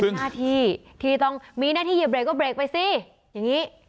หน้าที่ที่ต้องมีหน้าที่เหยียบเรกก็เรกไปสิอย่างนี้